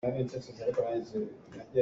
Khua sik caan ahcun meipung kan herh.